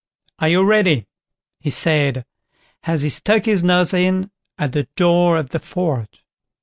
"Are you ready?" he said, as he stuck his nose in at the door of the forge.